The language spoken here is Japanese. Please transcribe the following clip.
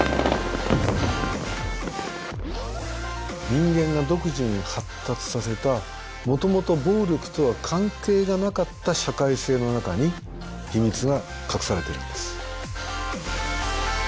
人間が独自に発達させたもともと暴力とは関係がなかった社会性の中に秘密が隠されているんです。